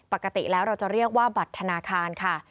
ปกติแล้วเราจะเรียกว่าบัตรธนาคารค่ะ